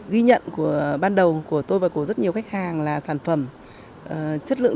ghi nhận của ban đầu của tôi và của rất nhiều khách hàng là sản phẩm chất lượng